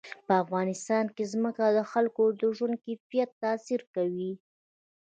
په افغانستان کې ځمکه د خلکو د ژوند په کیفیت تاثیر کوي.